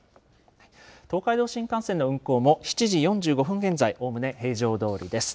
東海道新幹線の運行も７時４５分現在、おおむね平常どおりです。